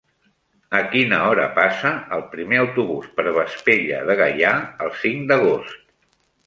A quina hora passa el primer autobús per Vespella de Gaià el cinc d'agost?